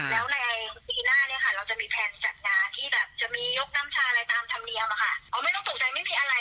แล้วในปีหน้าเนี้ยค่ะเราจะมีแพลนจัดงานที่แบบจะมียกน้ำชาอะไรตามธรรมเนียมอ่ะค่ะ